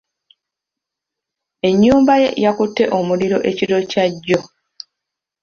Ennyumba ye yakutte omuliro ekiro kya jjo.